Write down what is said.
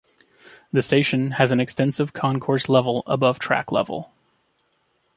The station has an extensive concourse level above track level.